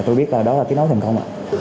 tôi biết đó là kết nối thành công